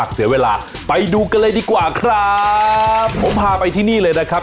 เสียเวลาไปดูกันเลยดีกว่าครับผมพาไปที่นี่เลยนะครับ